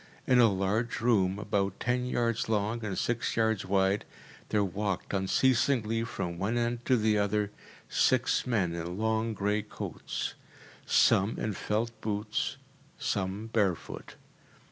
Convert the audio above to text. In a large room, about ten yards long and six yards wide, there walked unceasingly from one end to the other, six men in long grey coats, some in felt boots, some barefoot.